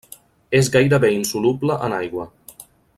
És gairebé insoluble en aigua.